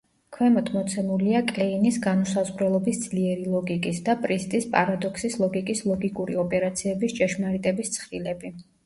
ქვემოთ მოცემულია კლეინის „განუსაზღვრელობის ძლიერი ლოგიკის“ და პრისტის „პარადოქსის ლოგიკის“ ლოგიკური ოპერაციების ჭეშმარიტების ცხრილები.